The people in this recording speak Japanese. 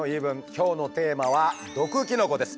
今日のテーマは「毒キノコ」です。